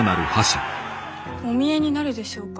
お見えになるでしょうか？